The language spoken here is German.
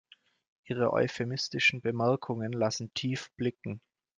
Ihre euphemistischen Bemerkungen lassen tief blicken.